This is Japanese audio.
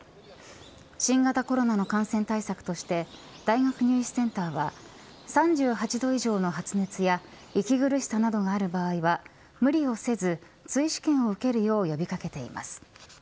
新型コロナの感染対策として大学入試センターは３８度以上の発熱や息苦しさなどがある場合は無理をせず追試験を受けるよう呼び掛けています。